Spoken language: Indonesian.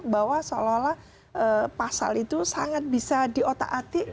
bahwa seolah olah pasal itu sangat bisa diotak atik